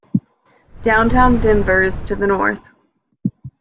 Downtown Denver is to the north.